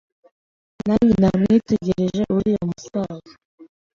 Nanjye namwitegereje Uriya musaza